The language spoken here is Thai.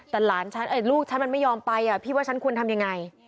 แต่หลานฉันลูกฉันมันไม่ยอมไปพี่ว่าฉันควรทำยังไง